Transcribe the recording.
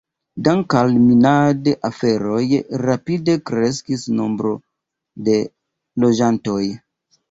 Dank' al minad-aferoj rapide kreskis nombro de loĝantoj.